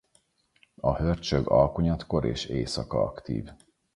A hörcsög alkonyatkor és éjszaka aktív.